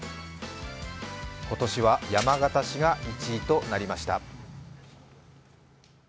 今年は山形市が１位となりました。